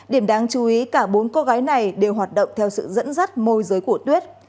điểm đáng chú ý cả bốn cô gái này đều hoạt động theo sự dẫn dắt môi giới của tuyết